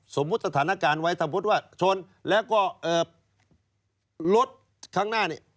สมมุติสถานการณ์ไว้สมมุติว่าชนแล้วก็เอ่อรถครั้งหน้านี่